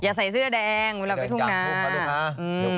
ใส่เสื้อแดงเวลาไปทุ่งนา